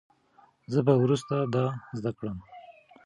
زه به وروسته دا زده کړم.